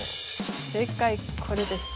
正解これです。